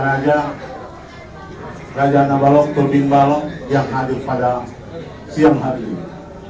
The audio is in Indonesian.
saya atas nama raja ili nuradi dan raja raja turbin balok yang hadir pada siang hari ini